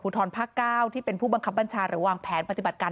ทรภาค๙ที่เป็นผู้บังคับบัญชาหรือวางแผนปฏิบัติการ